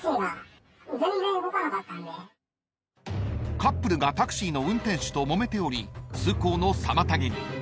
［カップルがタクシーの運転手ともめており通行の妨げに］